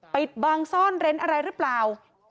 ปิดบังซ่อนเร้นอะไรหรือเปล่า